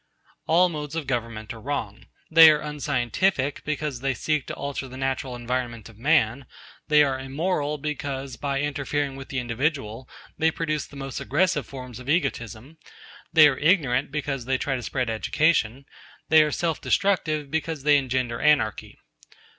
All modes of government are wrong. They are unscientific, because they seek to alter the natural environment of man; they are immoral because, by interfering with the individual, they produce the most aggressive forms of egotism; they are ignorant, because they try to spread education; they are self destructive, because they engender anarchy.